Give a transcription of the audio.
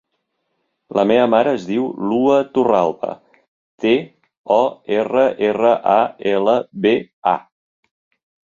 La meva mare es diu Lua Torralba: te, o, erra, erra, a, ela, be, a.